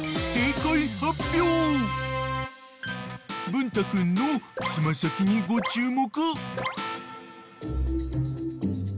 ［文太君の爪先にご注目］